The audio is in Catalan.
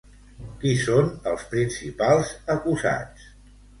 Qui són els principals acusats?